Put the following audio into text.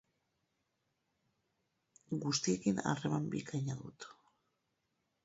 Guztiekin harreman bikaina dut.